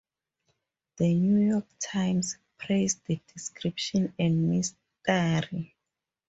"The New York Times" praised the description and mystery.